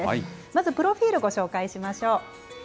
まずプロフィールご紹介しましょう。